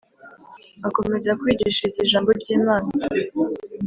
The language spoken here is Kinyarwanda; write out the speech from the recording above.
Akomeza kubigishiriza ijambo ry Imana